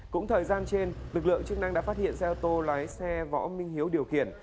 cũng thời gian trên lực lượng chức năng đã phát hiện xe ô tô lái xe võ minh hiếu điều khiển